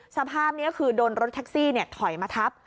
สภาพนี้คือโดนรถแท็กซี่ถอยมาทับ